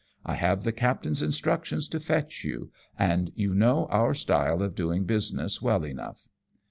I have the captain's instructions to fetch you, and you know our style of doing business well enough."